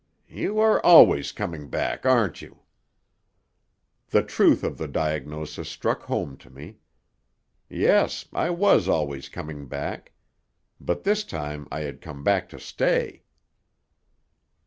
You are always coming back, aren't you?" The truth of the diagnosis struck home to me. Yes, I was always coming back. But this time I had come back to stay.